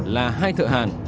là hai thợ hàng